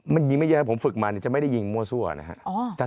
มันยิงไม่เยอะผมฝึกมาจะไม่ได้ยิงมั่วซั่วนะครับ